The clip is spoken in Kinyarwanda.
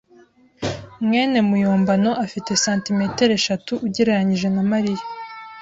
mwene muyombano afite santimetero eshatu ugereranije na Mariya.